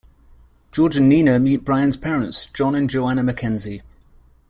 George and Nina meet Bryan's parents, John and Joanna MacKenzie.